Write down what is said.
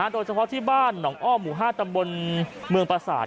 โดยเฉพาะที่บ้านหนองอ้อหมู่๕ตำบลเมืองประสาท